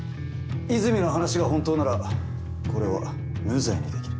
泉の話が本当ならこれは無罪にできる。